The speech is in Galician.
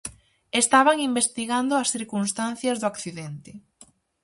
Estaban investigando as circunstancias do accidente.